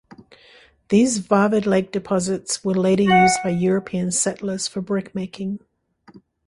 These varved lake deposits were later used by European settlers for brick-making.